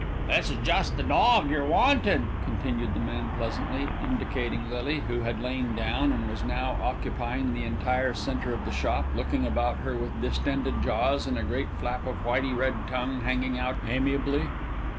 "This is just the dawg you're wantin'," continued the man pleasantly, indicating Lily, who had lain down and was now occupying the entire centre of the shop, looking about her with distended jaws and a great flap of whitey red tongue hanging out amiably.